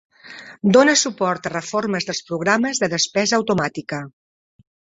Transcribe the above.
Dona suport a reformes dels programes de despesa automàtica.